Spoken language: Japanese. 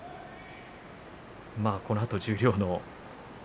このあと十両の。